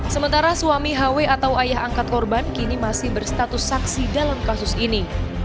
sementara suami hw atau ayah angkat korban kini masih berstatus saksi dalam kasus ini